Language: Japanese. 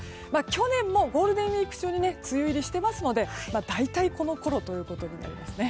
去年もゴールデンウィーク中に梅雨入りしていますので大体このころということになりますね。